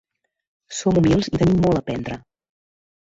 Som humils i tenim molt a aprendre.